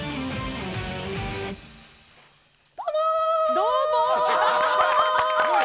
どうも。